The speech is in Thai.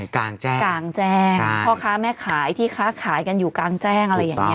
กลางแจ้งกลางแจ้งพ่อค้าแม่ขายที่ค้าขายกันอยู่กลางแจ้งอะไรอย่างนี้